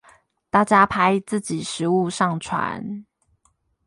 大家拍自己食物上傳